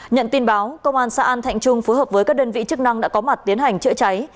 nhận tin báo công an xã an thạnh trung phối hợp với các đơn vị chức năng đã có mặt tiến hành chữa cháy